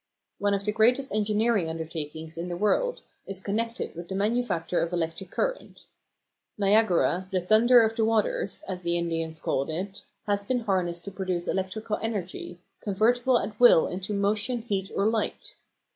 One of the greatest engineering undertakings in the world is connected with the manufacture of electric current. Niagara, the "Thunder of the Waters" as the Indians called it, has been harnessed to produce electrical energy, convertible at will into motion, heat, or light.